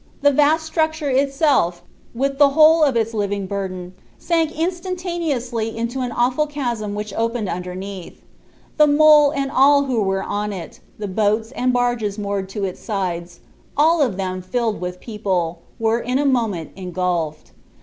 The vast structure itself, with the whole of its living burden, sank instantaneously into an awful chasm which opened underneath. The mole and all who were on it, the boats and barges moored to its sides, all of them filled with people, were in a moment ingulfed.